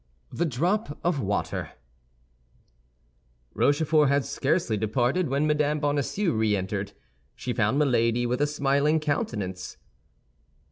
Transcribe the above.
THE DROP OF WATER Rochefort had scarcely departed when Mme. Bonacieux re entered. She found Milady with a smiling countenance.